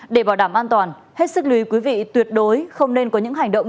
để bảo đảm an toàn hết sức lưu ý quý vị tuyệt đối không nên có những hành động